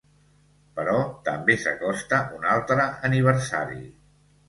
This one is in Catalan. Però també s’acosta un altre aniversari.